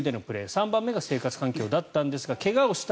３番目が生活環境だったんですが怪我をした